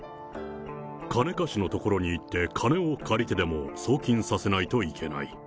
金貸しのところに行って、金を借りてでも送金させないといけない。